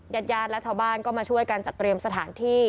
ญาติญาติและชาวบ้านก็มาช่วยกันจัดเตรียมสถานที่